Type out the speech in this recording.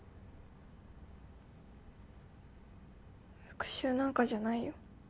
復讐なんかじゃないよ。